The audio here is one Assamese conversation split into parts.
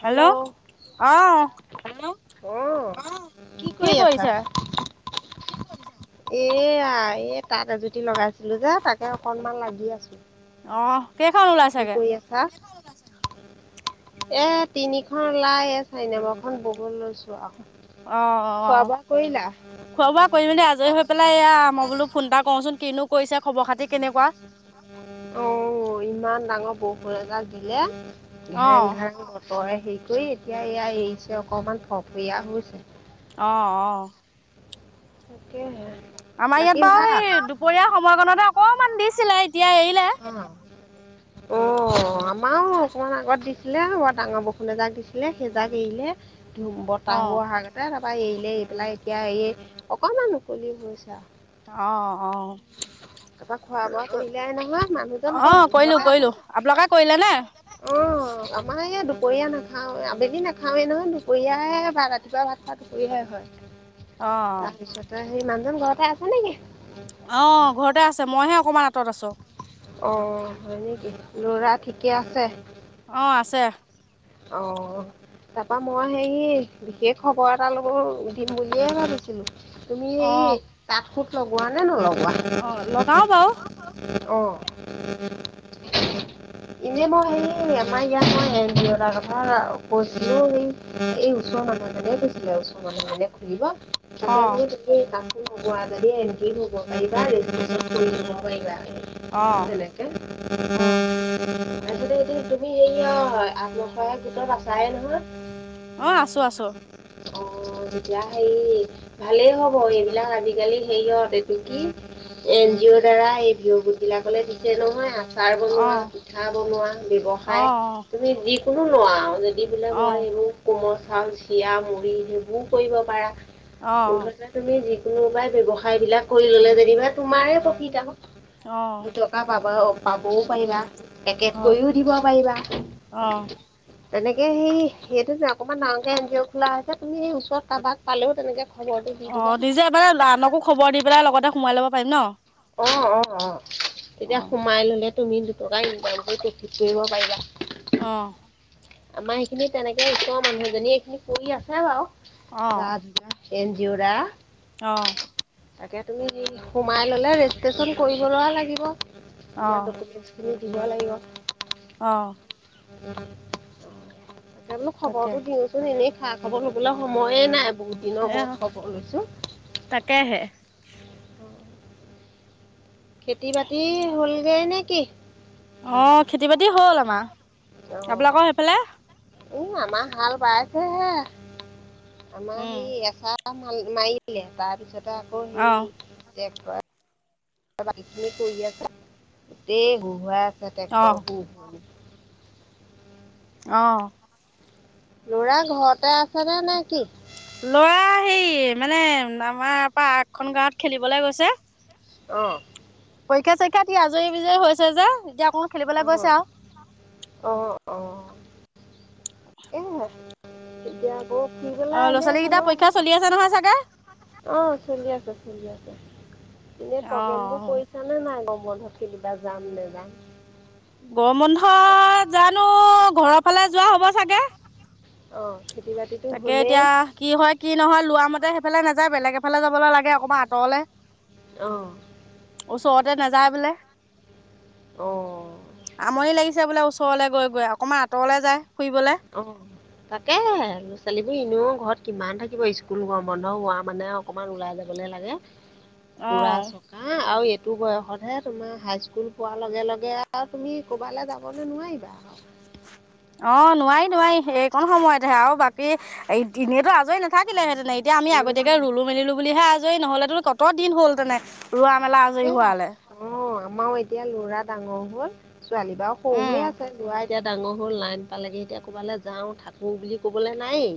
হেল্ল'। আহ হেল্ল' অ'। কি কৰি আছা? [inaudible] এয়া এই তাত এজুতি লগাইছিলোঁ যে তাকে অকনমান লাগি আছোঁ। অ'। কেইখন ওলাই কি কৰি আছা? এ, তিনিখন লাই এ, চাইনেমখন ব'ব লৈছোঁ আৰু। অ অ খোৱা বোৱা কৰিলা? খোৱা বোৱা কৰি মেলি আজৰি হৈ পেলাই এয়া আমই বোলো ফোন এটা কৰোঁচোন কিনো কৰিছে খবৰ খাতি কেনেকুৱা। অ' ইমান ডাঙৰ বৰষূণ এজাক দিলে অ ঘেৰেং ঘেৰেং তই হেৰি কৰি এতিয়া এয়া এৰিছে অকমান ফফিয়া হৈছে। অ', অ'। তাকেহে। আমাৰ ইয়াত বাকী বাৰু ভাল? সেই দুপৰীয়া সময়কণতে অকণমান দিছিলে, এতিয়া এৰিলে। অ'। [inaudible] অ' আমাৰো অকমান আগত দিছিলে, বৰ ডাঙৰ বষুণ এজাক দিছিলে, সেইজাক এৰিলে। ধুম অ বতাহু হোৱা আগতে তাৰপা এৰিলে এৰি পেলাই এতিয়া এই অকমান উকলি হৈছে আৰু। অ', অ'। তাৰপৰা খোৱা বোৱা কৰিলে নহয় মানুহজন ক'ত অ' কৰিলো ঘৰতে আছে। কৰিলো। আপোনোকে কৰিলে নে? [inaudible] অ' আমাৰ এই দুপৰীয়া নাখাও, আবেলি নাখাওৱে নহয়, দুপৰীয়াই এ, বা ৰাতিপুৱা ভাত খাওঁ দুপৰীয়াই হয়। [inaudible] তাৰপিছতে সেই মানুহজন ঘৰতে আছে নেকি? অ' ঘৰতে আছে, মইহে অকমান আঁতৰত আছোঁ। অ' হয় নেকি? ল'ৰা ঠিকে আছে? অ' আছে। অ'। তাৰপা মই সে বিশেষ খবৰ এটা ল'বলৈ দিম বুলিয়ে ভাবিছিলো। তুমি অ এই তাঁত সুত লগোৱা নে নলগোৱা? অ লগাও বাৰু অ' এনে মই হেৰি আমাৰ ইয়াত মই এনজিঅত। তাৰ কথা কৈছিলো এই এই ওচৰৰ মানুহ এজনে কৈছিলে ওচ। মনে-মনে খুলিব অ তাকে বোলো তুমি। [unintelligible] অ' উম। আজিলৈ এনে তুমি হেৰিয়া আত্মসহায়ক গোটত আছায়ে নহয়। অ' আছো, আছো। অ' তেতিয়া হেই ভালেই হ'ব, এইবিলাক আজিকালি হেৰিয়ত এইটো কি। এন জি অ'ৰ দ্বাৰা এই বিয় গোট বিলাকলে দিছে নহয় আ। আচাৰ বনোৱা, অ পিঠা বনোৱা ব্যৱসায় অ', তুমি যি। কোনো নোৱাৰ যদি বোলে মই অ', সেইবোৰ। কোমল চাউল, চিৰা, মুড়ি সেইবোৰ কৰিব পাৰা অ', মুঠতে তুমি যিকোনোবাই ব্যৱসায় বিলাক কৰি ল'লে যেনিবা তোমাৰ প্ৰকৃত আহ। অ', দুটকা পাব পাবও উম, পাৰিবা, পেকেট হয়, কৰিও দিব পাৰিবা। অ' তেনেকে সেই সেইটো নে অকণমান ডাঙৰকে এন জি অ' খোলা হৈছে তুমি সেই ওচৰত কাৰোবাক পালেও। তেনেকে খবৰটো দি অ' দিবা নিজে এবাৰ আনকো খবৰ দি পেলাই লগতে সোমাই ল'ব পাৰিম ন। অ' অ' অ' তেতিয়া অ', সোমাই ল'লে তুমি দুটকা ইনকম কৰি প্ৰফিট কৰিব পাৰিবা। অ' আমাৰ সেইখিনি তেনেকে ই মানুহজনী এইখিনি কৰি আছে বাৰু গা অ', যোগা এ ন জিওৰা অ' তাকে তুমি সোমাই ল'লে ৰেজিষ্ট্ৰচন কৰিবলৈ লাগিব। তোমাৰ অ', ডকুমেন্টচ খিনি দিব লাগিব। অ' [inaudible] তাকে বোলো খবৰটো দিওঁচোন, এনেই খা খবৰ ল'বলৈ সময়ে নাই বহুত দিনৰ এ মই খবৰ লৈছোঁ। তাকেহে খেতি বাতি হ'লগৈ নে কি। অ' খেতি বাতি হ'ল আমাৰ, আপোনালোকৰ সেইফালে। এ আমাৰ হাল বাইছেহে আমাৰ উম, সেই এচাহ হাল মাৰিলে তাৰ পিছতে আকৌ হেই অ', টেক্টৰে। বাকীখিনি কৰি আছে গোটেই ঘোঁৰাই আছে অ', ট্ৰেক্টৰ মোৰ। অ' ল'ৰা ঘৰতে আছেনে নে নে কি। ল'ৰা হেৰি মানে আমাৰ পা আগখনন গাঁৱত খেলিবলে গৈছে। অহ' পৰীক্ষা চৰীক্ষাত দি আজৰি বিজৰি হৈছে যে এতিয়া অকণ। খেলিবলৈ গৈছে আৰু অ' অ' অ'। এই এতিয়া। আকৌ ফুৰিবলৈ অ' ল'ৰা ছোৱালী কেইটা পৰীক্ষা চলি আছে নহয় চাগে। অ' চলি আছে, চলি আছে, এনে অ প্ৰগ্ৰেম বোৰৰ কৰিছা। ক'লে নে নাই আ গৰম বন্ধত সেইকেইটা যাম নে নাযাম। গৰম বন্ধত জানো ঘৰৰ ফালে যোৱা হ'ব চাগে। অ' খেতি বাতি। তাকে এতিয়া কি হয় কি নহয় লোৱা মতে সেইফালে নাযায় বেলেগ এফালে যাবলে লাগে অক আঁতৰলে, অঁ ওচৰতে নাযায় বোলে। অ'। আমনি লাগিছে বোলে ওচৰলে গৈ গৈ, অকণমান আঁতৰলে যায় ফুৰিবলৈ। অ', তাকেহে ল'ৰা ছোৱালীবোৰ এনেও ঘৰত কিমান থাকিব স্কুল গম বন্ধ হোৱা মানে অকমান ওলাই যাবলৈ লাগে। [inaudible] ফুৰা চকা আৰু এইটো বয়সতহে তোমাৰ হাইস্কুল পোৱাৰ লগে লগে আৰু তুমি ক'বালে যাবলৈ নোৱাৰিবা আৰু। অ'। নোৱাৰি নোৱাৰি, এইকণ সময়তহে আৰু বাকী এই এনেইতো আজৰি নাথাকিলেহেঁতেনে, এতিয়া আমি আগতীয়াকে উম, ৰুলো মেলিলো বুলিহে আজৰি নহ'লেতো ক'ত দিন হ'ল তেনে ৰোৱা মেলা আজৰি তাকেহে হোৱালে। অ', আমাৰো এতিয়া ল'ৰা ডাঙৰ হ'ল ছোৱালী বাৰু সৰু উম হৈ আছে, ল'ৰা এতিয়া ডাঙৰ হ'ল নাইন পালেগে এতিয়া ক'বালৈ যাওঁ থাকো বুলি ক'বলৈ নাইেই।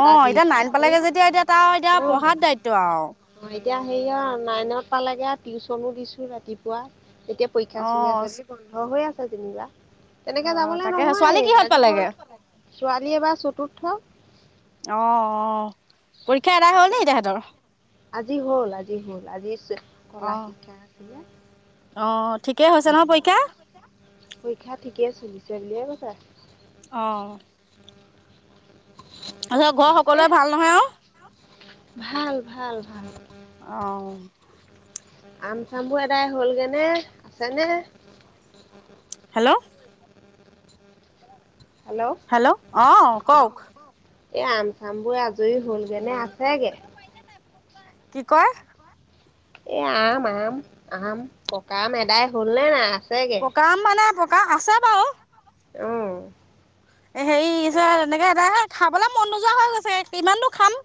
অ', এতিয়া নাইন পালেগে যেতিয়া এতিয়া তাৰ এতিয়া অ'। পঢ়াৰ দায়িত্ব আৰু অ', এতিয়া হেৰি আৰু অনলাইনত পালেগে টিউচনো দিছো ৰাতিপুৱা, এতিয়া পৰীক্ষা চলি অ', আছে বুলি বন্ধ হৈ আছে যেনিবা, তেনেকে অ', যাবলৈ তাকেহে ছোৱালী কিহত নহয়ে পালেগে? ছোৱালী এইবাৰ চতুৰ্থ। অ', অ', পৰীক্ষা এদাই হ'ল তাকে নি তেহেঁতৰ। আজি হ'ল আজি হ'ল, আজি কলা অ', শিক্ষা আছিলে। অ', ঠিকেই হৈছে নহয় পৰীক্ষা? পৰীক্ষা ঠিকে চলিছে বুলিয়ে কৈছে। অ'। তাৰপিছত ঘৰ এ সকলোৱে ভাল নহয় আৰু? ভাল ভাল ভাল। অ'। আম চামবোৰ এদাই হ'লগে নে আছে নে? হেল্ল'। হেল্ল'। অ', কওক এই আম চাম বোৰ আজৰি হ'লগে নে আছেগে? কি কয়? এ আম আম আম, পকা আম এদাই হ'ল নে নাই? আছেগে পকা আম মানে পকা আছে বাৰু। অ'। হেৰি এনেকে এ [unintelligible] খাবলৈ মন নোযোৱা হৈ গৈছে কিমান নো খাম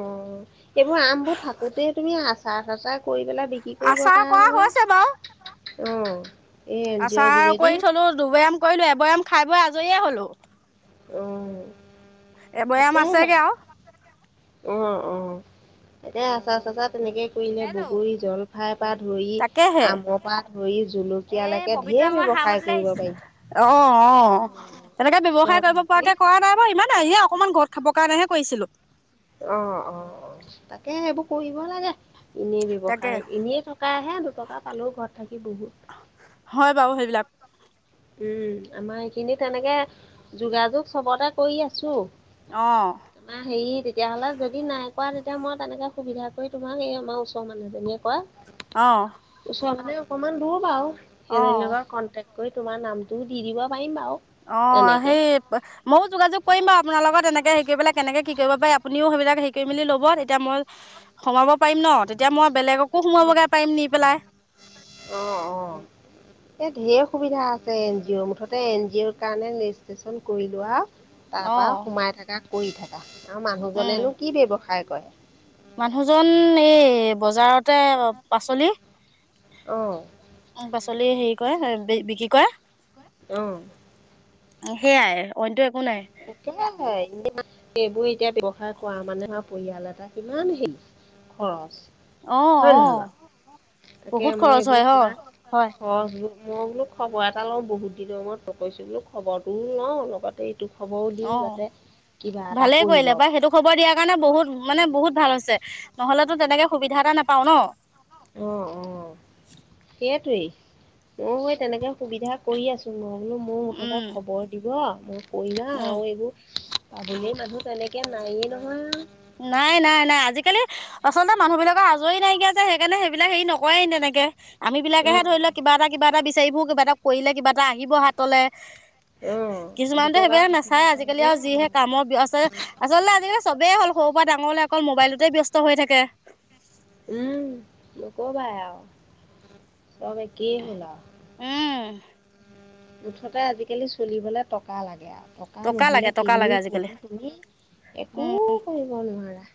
অ', এইবোৰ আমবোৰ থাকোতে তুমি আচাৰ চাচাৰ কৰি পেলাই বি আচাৰ কৰা হৈছে বাৰু। অ'। আচাৰ কৰি থলোঁ দুবৈয়াম কৰিলোঁ এবৈয়াম খাই বৈ আজৰিয়ে হ'লোঁ। অ', এবৈয়াম তাকেহে। আছেগে আৰু উ, অ', এতিয়া আচাৰ চাচাৰ তেনেকে কৰিলে বগৰী জলফাই বা ধৰি তাকেহে। আমৰপা ধৰি জলকিয়ালৈকে ঢেৰ ব্যৱসায় কৰিব পাৰিম। অ', অ', তেনেকে ব্যৱসায় চব কৰিব হেৰি কৰি পৰাকে কৰা নাই বাৰু ইমানে এই অকনমান ঘ খাবৰ কাৰণেহে কৰিছিলোঁ। অ', অ', অ', তাকে সেইবোৰ কৰিব লাগে। এনেই তাকে ব্যৱসায়, এনেই থকা হে দুটকা পালেও ঘৰত থাকি বহুত হয় বাৰু সেইবিলাক। উম, আমাৰ সেইখিনি তেনেকে যোগাযোগ চবতে কৰি আছো। অ'। তোমাৰ হেৰি তেতিয়াহ'লে যদি নাই কৰা তেতিয়া মই তেনেকে সুবিধা কৰি তোমাক এই আমাৰ ওচৰ মানুহজনীয়ে কয়। অহ। ওচৰ মানে অকমান দূৰ বাৰু অ সেইজনীৰ কনটে কৰি তোমাৰ নামটোও দি দিব পাৰিম বাৰু। অহ, তেনেকে। সেই মইয়ো যোগাযোগ কৰিমা বাৰু আপোনাৰ লগত, এনেকে হেৰি কৰি পেলাই কেনেকে কি কৰিব পাৰি। আপুনিও সেইবিলাক হেৰি কৰি মেলি ল'ব তেতিয়া মই সোমাব পাৰিম ন' তেতিয়া মই বেলেগকো সোমাবগৈ পাৰিম নি পেলাই। অহ', অহ'। এ ধেৰ সুবিধা আছে এন জি অ'ৰ মুঠতে এন জি অ'ৰ কাৰণে ৰেজিষ্ট্ৰেশচন কৰিলোৱা। অ তাৰপৰা সোমাই থাকা কৰি থকা আৰু উম মানুহজনেনো কি ব্যৱসায় কৰে? মানুহজন এই বজাৰতে পাচলি। অহ। উম, পাচলি হেৰি কৰে বিক্ৰী কৰে। অহ। সেইয়াই অনইটো একো নাই। তাকে এইবোৰ এতিয়া ব্যৱসায় কৰা মানে আৰু পৰিয়াল এটা কিমান হেৰি। খৰচ অ হয়নে নহয় অ বাৰু? তাকে বহুত মই খৰচ এইবোৰ হয় হয় তোমাৰ হয় খৰচ বোলো, মই বোলো খবৰ এটা লওঁ বহুত দিনৰ মোৰত লগ কৰিছোঁ বোলো খবৰটোও লওঁ লগতে তোৰ খবৰ অহ, ভালেই কৰিলে পাই পাৰে সেইটো খবৰ দিয়াৰ কাৰণে বহুত, মানে বহুত ভাল হৈছে। নহ'লেতো তেনেকে সুবিধা এটা নাপাও ন'। অহ', অহ' সেইটোৱেই। মইয়ো তেনেকে সুবিধা কৰি আছোঁ। মই বোলো মোৰ মুঠতে উম খবৰ দিব মই কৰি যাম। উম। আৰু পাৰিলেই মানুহ তেনেকে নায়য়েই নহয়। নাই, নাই, নাই। আজিকালি আচলতে মানুহবিলাকৰ আজৰি নাইকিয়া যে সেইকাৰণে সেইবিলাক হেৰি নকৰে তেনেকে। আমি অ বিলাকেহে ধৰি লওঁক কিবা এটা, কিবা এটা বিচাৰি ফুৰো, কিবা এটা কৰিলে, কিবা এটা আহিব হাতলে। অ কিছুমানেতো দুটকা সেইবিলাক ঘটিব নাচায় আজিকালি পাৰিলে আৰু অ যিহে কামৰ ব্যস্ত আচলতে আজিকালি চবেই সৰুৰ পৰা ডাঙৰলে অকল মোবাইলটোতে ব্যস্ত হৈ থাকে। উম, নকবাই আৰু চব একেই হ'লা আৰু। উম। মুঠতে আজিকালি চলিবলে টকা লাগে আৰু। টকা নহ'লে লাগে টকা লাগে কিনিও আজিকালি কতো তুমি একো উম কৰিব নোৱাৰা।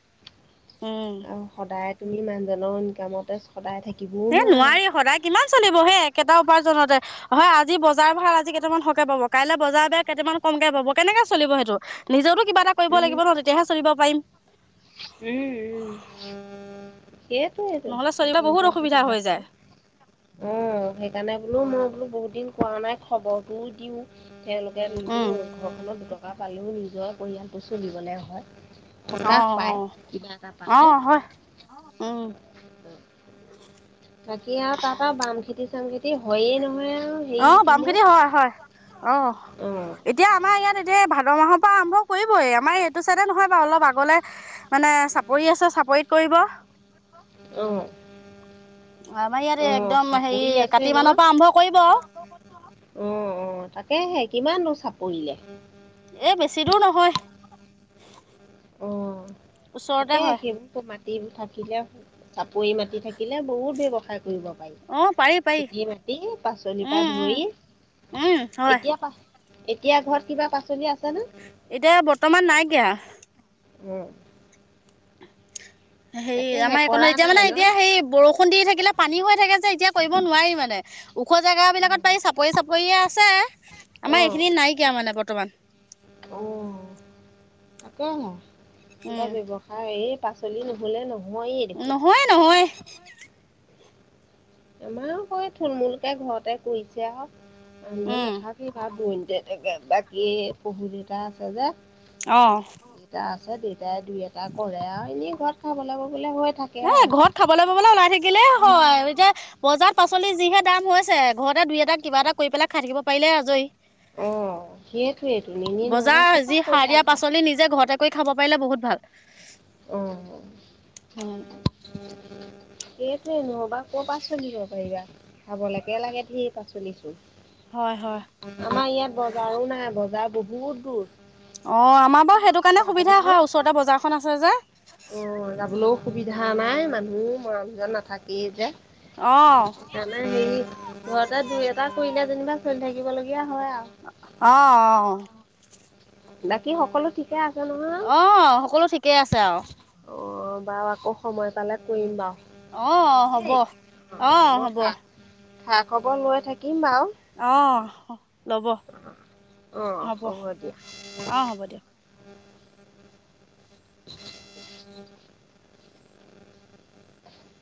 উম। আৰু সদায় তুমি মানুহজনৰ ইনকামতে সদায় থাকিব এ নোৱাৰি সদায় কিমান চলিব হে একেটা উপাৰ্জনতে। হয় আজি বজাৰ ভাল আজি কেইটামান সৰহকে পাব, কাইলৈ বজাৰ বেয়া কেইটামান কমকে পাব, কেনেকে চলিব সেইটো। নিজতো কিবা এটা কৰিব উম লাগিব ন' তেতিয়াহে চলিব পাৰিম। উম', উম'। সেইটোৱেটো নহ'লে চলিব সেইটো বহুত এতিয়া অসুবিধা সুবিধা হৈ যায় বুলি। অহ, সেইকাৰণে বোলো মই বোলো বহুত দিন কোৱা নাই খবৰটোও দিওঁ। তেওঁলোকে উম নিজৰ ঘৰখনত দুটকা পালেও নিজৰ পৰিয়ালটো চুলিবলৈ হয়। অ সকাহ অ পায় কিবা এটা অ পালে। হয় উম বাকি আৰু তাতে বামখেতি চামখেতি হয়য়ে নহয় আৰু। হেৰি অহ, বামখেতি দিনত হয়, হয়, অহ। অঁ এতিয়া এতিয়া আমাৰ ইয়াত এতিয়া ভাদ মাহৰ পৰা আৰম্ভ কৰিবই, আমাৰ এইটো চাইডে নহয় বাৰু অলপ আগলে। মানে চাপৰি আছে, চাপৰিত কৰিব। অহ। আমাৰ ইয়াত একদম হেৰি কাতি মানৰ পৰা আৰম্ভ কৰিব আৰু। [inaudible] অ' অ', তাকেহে কিমান নু চাপৰিলে? এ, বেছি দূৰ নহয়। অ। ওচৰতে তাকে হয় সেইবুলি [unintelligible] মাটি থাকিলে চাপৰি মাটি থাকিলে বহুত ব্যৱসায় কৰিব পাৰি। অ পাৰি পাৰি খেতি মাটি পাচলিৰ পা উম ধৰি। উম উম হয় এতিয়া পা এতিয়া ঘৰত কিবা পাচলি আছে নে? এতিয়া বৰ্তমান নাইকিয়া। অ'। হেৰি তাকেহে আমাৰ এইকণত কৰা এতিয়া নাই মানে ন এতিয়া হেই বৰষুণ দি থাকিলে পানী হৈ থাকে যে এতিয়া কৰিব নোৱাৰি মানে। ওখ জেগাবিলাকত উম, পাৰি। চাপৰি চাপৰিয়ে আছে, আমাৰ এইখিনিত নাইকিয়া মানে বৰ্তমান। অ'। তাকেহে কিবা উম ব্যৱসায় এই তাক চলি নহ'লে নহয়েই দেখোঁন। নহয় নহয়। আমাৰোঁ সই থুলমূলকে ঘৰতে কৰিছে আৰু। মানুহ জন উম নাথাক সি ভাগ দূৰণিতে থাকে। বাকী শহুৰ দেউতা আছে যে অ'। দেতা আছে দেতাই দুই এটা কৰে আৰু এনেই ঘৰত খাবলে ববলে হৈ থাক এ, ঘৰত খাবলে ববলে ওলাই থাকিলে উম, হয়। এতিয়া বজাৰত পাচলি যিহে দাম হৈছে ঘৰতে দুই এটা কিবা এটা কৰি পেলাই খাই থাকিব পাৰিলে আজৰি। অ', সেইটোৱেটো ইনে নহ'বা বজাৰ ক'পা যি সাৰ কৰি আনটা [unintelligible] নিজে ঘৰতে কৰি খাব পাৰিলে বহুত ভাল। অঁ হয় [inaudible] সেইটোৱে নহ'বা ক'ৰ পৰা চলিব পাৰিবা। খাবলেকে লাগে ধেৰ পাচলি চোন। হয় হয়। আমাৰ ইয়াত বজাৰোঁ নাই। বজাৰ বহুত দূৰ। অ', আমাৰ বাৰু সেইটো কাৰণে সুবিধা যাবলৈও হয় ওচৰতে বজাৰখন আছে যে। অ', যাবলও সুবিধা নাই মানুহ মৰামজন নাথাকেই যে। অ', অ', সেই কাৰণে এ, হেই ঘৰতে দুই এটা কৰিলে যেনিবা চলি থাকিবলগীয়া হয় আৰু। অ' অ'। বাকী সকলো ঠিকে আছে নহয়? অ', সকলো ঠিকেই আছে আৰু। অ', বাৰু আকৌ সময় পালে কৰিম বাৰু। অ', অ' হ'ব, দেই। অ' হ'ব। খা খবৰ লৈ থাকিম বাৰু। অ' হ ল'ব। অ' হ'ব, দিয়া। অ', হ'ব দিয়ক। [inaudible]